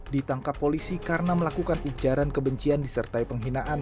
di tangkap polisi karena melakukan ujaran kebencian disertai pengkhinaan